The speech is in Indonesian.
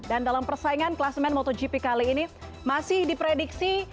dan dalam persaingan klasmen motogp kali ini masih diprediksi